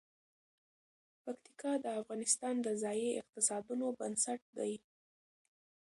پکتیکا د افغانستان د ځایي اقتصادونو بنسټ دی.